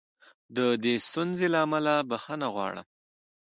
د دې ستونزې له امله بښنه غواړم.